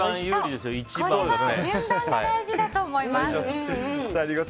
順番が大事だと思います。